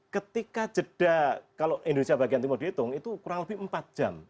ketika jeda kalau indonesia bagian timur dihitung itu kurang lebih empat jam